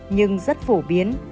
nhưng rất phổ biến